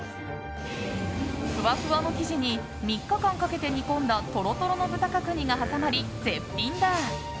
ふわふわの生地に３日間かけて煮込んだトロトロの豚角煮が挟まり絶品だ。